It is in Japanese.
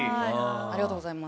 ありがとうございます。